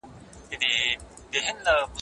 روژه د ادراکي وړتیا د پیاوړتیا سبب ګرځي.